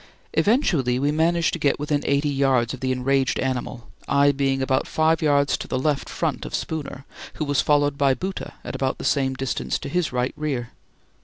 Eventually we managed to get within eighty yards of the enraged animal, I being about five yards to the left front of Spooner, who was followed by Bhoota at about the same distance to his right rear.